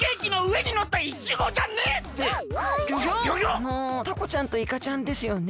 あのタコちゃんとイカちゃんですよね。